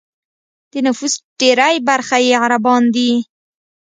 د نفوس ډېری برخه یې عربان دي.